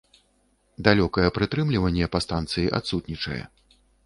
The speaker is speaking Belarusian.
Далёкае прытрымліванне па станцыі адсутнічае.